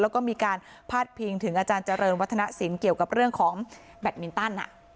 แล้วก็มีการพาดพิงถึงอาจารย์เจริญวัฒนศิลป์เกี่ยวกับเรื่องของแบตมินตัน